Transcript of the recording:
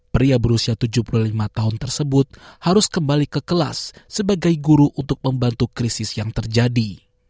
pria berusia tujuh puluh lima tahun tersebut harus kembali ke kelas sebagai guru untuk membantu krisis yang terjadi